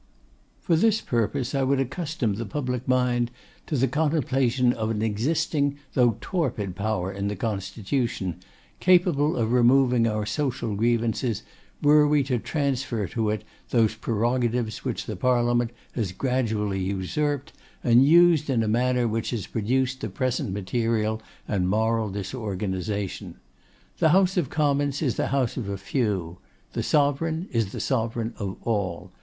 'For this purpose I would accustom the public mind to the contemplation of an existing though torpid power in the constitution, capable of removing our social grievances, were we to transfer to it those prerogatives which the Parliament has gradually usurped, and used in a manner which has produced the present material and moral disorganisation. The House of Commons is the house of a few; the Sovereign is the sovereign of all.